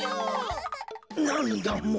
なんだもう。